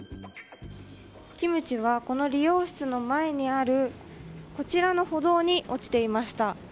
キムチはこの理容室の前にあるこちらの歩道に落ちていました。